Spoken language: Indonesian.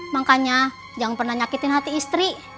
makanya jangan pernah nyakitin hati istri